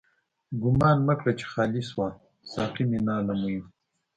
ګومان مه کړه چی خالی شوه، ساقی مينا له ميو